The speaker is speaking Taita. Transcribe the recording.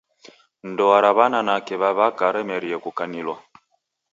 Ndoa ra w'ananake w'a w'aka ramerie kukanilwa.